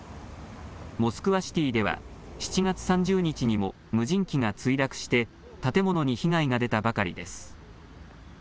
モスクワシティでは、７月３０日にも無人機が墜落して、建物に被害が出たばかりです。